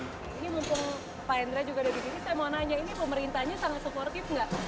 ini mumpung pak hendra juga udah di sini saya mau nanya ini pemerintahnya sangat supportif nggak